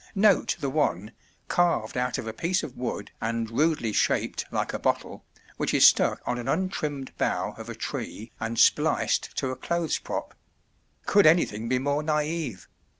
Note the one, carved out of a piece of wood and rudely shaped like a bottle, which is stuck on an untrimmed bough of a tree and spliced to a clothes prop: could anything be more naïve?